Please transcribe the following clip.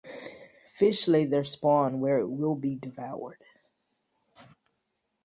Fish lay their spawn where it will be devoured.